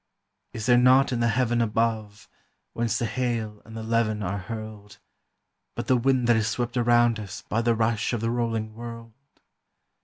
Is there naught in the heaven above, whence the hail and the levin are hurled, But the wind that is swept around us by the rush of the rolling world?